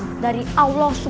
pada setiap rancangan tersebut